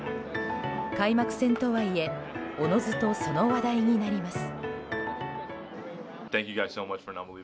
開幕戦とはいえおのずとその話題になります。